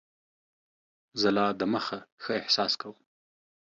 زه لا دمخه ښه احساس کوم.